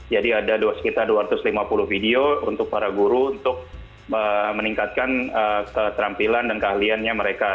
jadi ada sekitar dua ratus lima puluh video untuk para guru untuk meningkatkan keterampilan dan keahliannya mereka